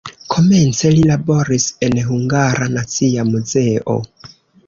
Komence li laboris en Hungara Nacia Muzeo.